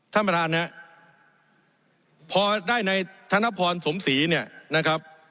ท่านประธานฮะพอได้ในธนพรสมศรีเนี่ยนะครับ